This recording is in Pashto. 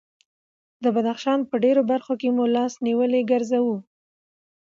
د بدخشان په ډېرو برخو کې مو لاس نیولي ګرځوي.